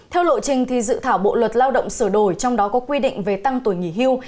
theo lộ trình dự thảo bộ luật lao động sửa đổi trong đó có quy định về tăng tuổi nghỉ hưu